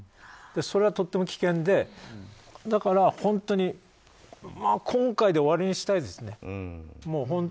それはとっても危険でだから本当に今回で終わりにしたいですね。